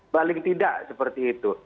paling tidak seperti itu